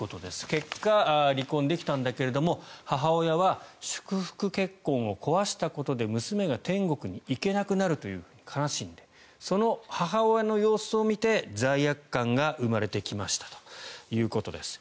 結果、離婚できたんだけど母親は祝福結婚を壊したことで娘が天国に行けなくなると悲しんでその母親の様子を見て罪悪感が生まれてきましたということです。